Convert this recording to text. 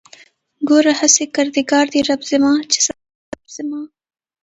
گوره هسې کردگار دئ رب زما چې صاحب د کُل اختيار دئ رب زما